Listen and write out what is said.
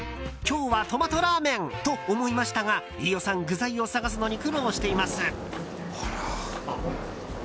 今日はトマトラーメン！と思いましたが飯尾さん、具材を探すのに苦労しています。